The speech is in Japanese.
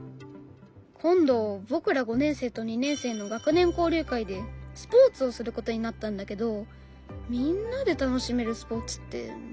今度僕ら５年生と２年生の学年交流会でスポーツをすることになったんだけどみんなで楽しめるスポーツって難しいなって。